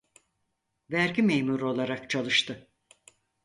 Vergi memuru olarak çalıştı.